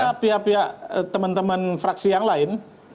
karena pihak pihak teman teman fraksi yang lain